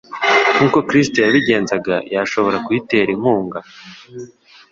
nk'uko Kristo yabigenzaga, yashobora kuyitera inkunga,